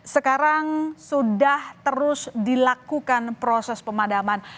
sekarang sudah terus dilakukan proses pemadaman